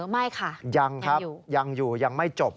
ไม่ค่ะยังอยู่ยังอยู่ยังไม่จบพอดาว